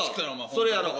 それやろう。